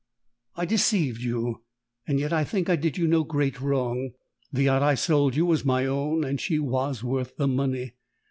I deceived you, and yet I think I did you no great wrong. The yacht I sold you was my own, and she was worth the money.